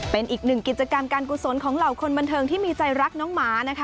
เป็นอีกหนึ่งกิจกรรมการกุศลของเหล่าคนบันเทิงที่มีใจรักน้องหมานะคะ